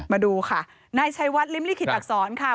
มาดูค่ะนายชัยวัดริมลิขิตอักษรค่ะ